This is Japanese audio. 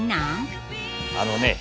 あのね